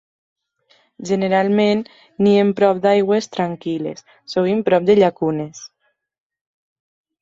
Generalment nien prop d'aigües tranquil·les, sovint prop de llacunes.